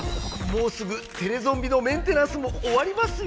もうすぐテレゾンビのメンテナンスもおわりますよ。